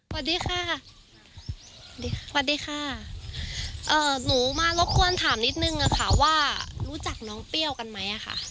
สวัสดีค่ะสวัสดีค่ะหนูมาแล้วควรถามนิดนึงค่ะว่ารู้จักน้องเปรี้ยวกันไหมค่ะ